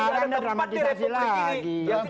saya sedang dramatisasi lagi